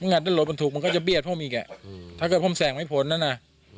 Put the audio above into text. งั้นรถมันถูกมันก็จะเบียดผมอีกอ่ะถ้าเกิดผมแสงไม่พ้นนั้นน่ะ